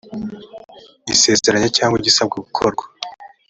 isezeranya cyangwa igisabwa gukorwa .